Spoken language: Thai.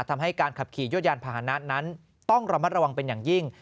ทำให้การขับขี่ยวดยานพาหนะนั้นต้องระมัดระวังเป็นอย่างยิ่ง